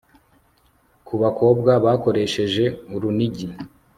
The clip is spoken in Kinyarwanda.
ku bakobwa bakoresheje urunigi